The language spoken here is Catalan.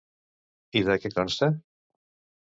I de què consta?